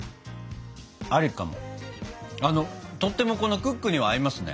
あのとってもこのクックには合いますね。